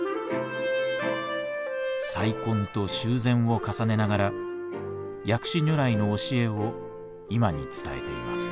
再建と修繕を重ねながら薬師如来の教えを今に伝えています。